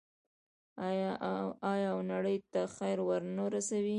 آیا او نړۍ ته خیر ورنه رسوي؟